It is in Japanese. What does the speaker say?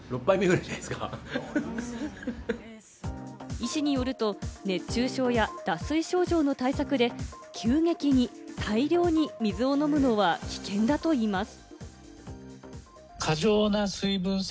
医師によると熱中症や脱水症状の対策で、急激に大量に水を飲むのは危険だといいます。